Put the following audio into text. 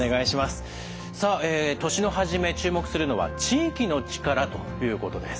さあ年の初め注目するのは「地域の力」ということです。